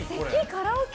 カラオケ？